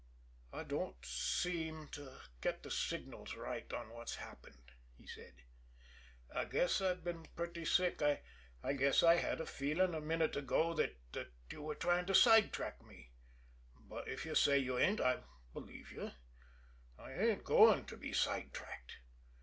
"I don't quite seem to get the signals right on what's happened," he said. "I guess I've been pretty sick. I kind of had a feeling a minute ago that you were trying to side track me, but if you say you ain't, I believe you. I ain't going to be side tracked.